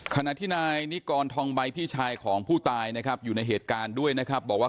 ขณะที่นายนิกรทองใบพี่ชายของผู้ตายนะครับอยู่ในเหตุการณ์ด้วยนะครับบอกว่า